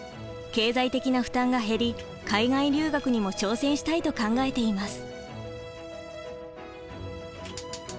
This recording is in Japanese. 経済的な負担が減り海外留学にも挑戦したいと考えています。